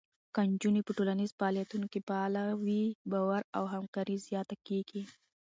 که نجونې په ټولنیزو فعالیتونو کې فعاله وي، باور او همکاري زیاته کېږي.